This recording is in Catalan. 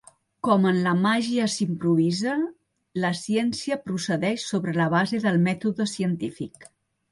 Com en la màgia s'improvisa, la ciència procedeix sobre la base del mètode científic.